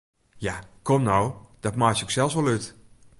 Ja, kom no, dat meitsje ik sels wol út!